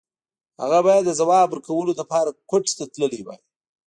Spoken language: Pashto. هغه بايد د ځواب ورکولو لپاره کوټې ته تللی وای.